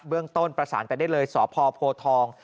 เรื่องต้นประสานไปได้เลยสพโพทอง